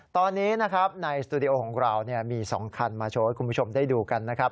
ตอนนี้นะครับในสตูดิโอของเรามี๒คันมาโชว์ให้คุณผู้ชมได้ดูกันนะครับ